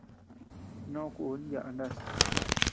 Noʼö kun yaʼa naas.